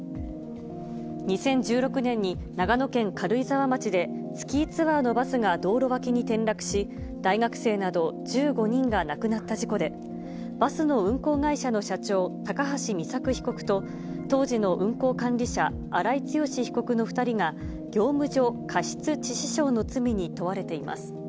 ２０１６年に、長野県軽井沢町でスキーツアーのバスが道路脇に転落し、大学生など１５人が亡くなった事故で、バスの運行会社の社長、高橋美作被告と、当時の運行管理者、荒井強被告の２人が、業務上過失致死傷の罪に問われています。